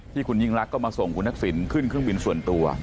คุณยิ่งรักก็มาส่งคุณทักษิณขึ้นเครื่องบินส่วนตัว